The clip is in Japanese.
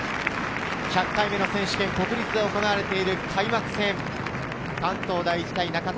１００回目の選手権、国立で行われている開幕戦、関東第一対中津